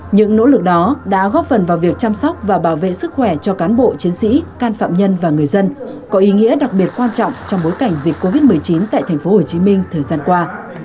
những nỗ lực đó đã góp phần vào việc chăm sóc và bảo vệ sức khỏe cho cán bộ chiến sĩ can phạm nhân và người dân có ý nghĩa đặc biệt quan trọng trong bối cảnh dịch covid một mươi chín tại tp hcm thời gian qua